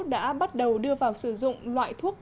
đã bắt đầu đưa vào sử dụng loại thuốc